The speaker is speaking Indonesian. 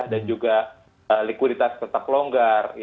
dan juga likuiditas tetap longgar